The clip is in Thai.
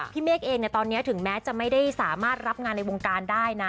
เมฆเองตอนนี้ถึงแม้จะไม่ได้สามารถรับงานในวงการได้นะ